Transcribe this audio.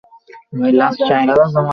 সবাই যদি আমার পরিচয় ভুলে যায়, তাহলে?